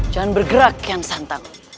jangan bergerak kian santang